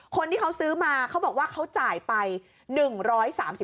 คนที่เขาซื้อมาเขาบอกว่าเขาจ่ายไป